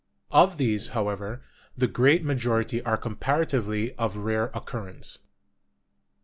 Of these, however, the great majority are comparatively of rare occurrence.